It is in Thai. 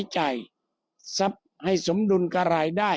ก็เป็นเรื่องของความศรัทธาเป็นการสร้างขวัญและกำลังใจ